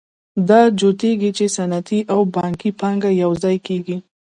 دا جوتېږي چې صنعتي او بانکي پانګه یوځای کېږي